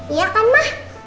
iya kan mah